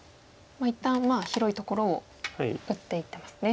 一旦広いところを打っていってますね。